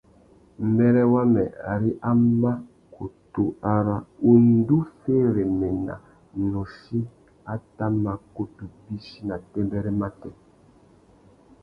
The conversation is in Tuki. Mbêrê wamê, ari a mà kutu ara undú féréména nôchï a tà mà kutu bîchi nà têbêrê matê.